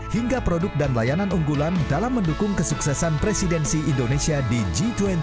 hingga produk dan layanan unggulan dalam mendukung kesuksesan presidensi indonesia di g dua puluh dua ribu dua puluh dua